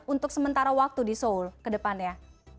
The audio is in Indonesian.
untuk sementara waktu di seoul ke depannya